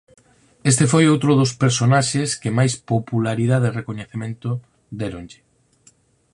Este foi outro dos personaxes que máis popularidade e recoñecemento déronlle.